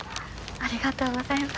ありがとうございます。